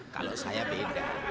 kalau saya beda